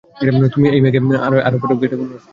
তুই কি এক মেয়েকেই আরে পাত্র-মুখী, এটা কোন রাস্তায়?